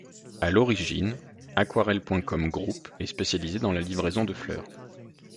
À l’origine, Aquarelle.com Group est spécialisée dans la livraison de fleurs.